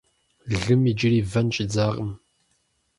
Лым иджыри вэн щӀидзакъым.